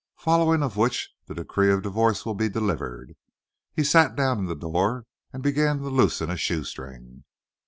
Followin' of which the decrees of divo'ce will be delivered." He sat down in the door and began to loosen a shoestring.